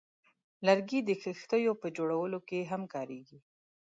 لرګی د کښتیو په جوړولو کې هم کارېږي.